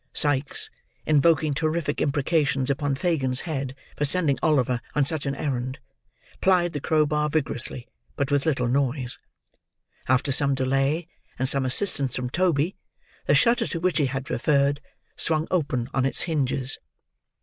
Sikes, invoking terrific imprecations upon Fagin's head for sending Oliver on such an errand, plied the crowbar vigorously, but with little noise. After some delay, and some assistance from Toby, the shutter to which he had referred, swung open on its hinges.